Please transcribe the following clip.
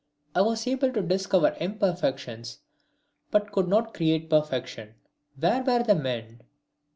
I was able to discover imperfections but could not create perfection! Where were the men?